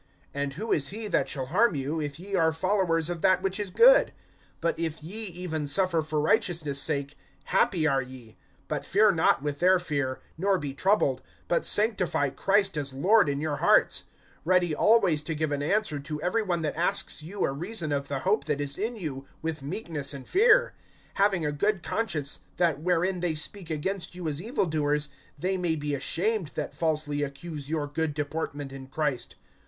(13)And who is he that shall harm you, if ye are followers of that which is good? (14)But if ye even suffer for righteousness' sake, happy are ye; but fear not with their fear, nor be troubled; (15)but sanctify Christ as Lord in your hearts; ready always to give an answer to every one that asks you a reason of the hope that is in you, with meekness and fear; (16)having a good conscience, that wherein they speak against you as evil doers, they may be ashamed that falsely accuse your good deportment in Christ.